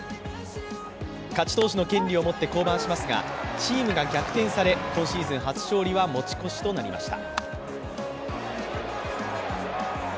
勝ち投手の権利を持って降板しますが、チームが逆転され今シーズン初勝利は持ち越しとなりました。